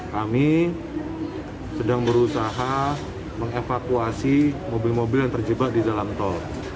kami sedang berusaha mengevakuasi mobil mobil yang terjebak di dalam tol